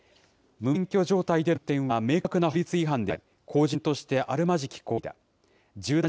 無免許状態での運転は明確な法律違反であり、公人としてあるまじき行為だ。